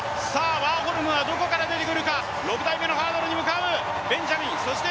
ワーホルムはどこから出てくるか、６台目のハードルに向かう。